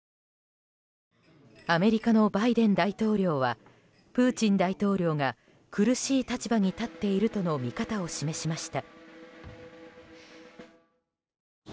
アメリカのバイデン大統領はプーチン大統領が苦しい立場に立っているとの見方を示しました。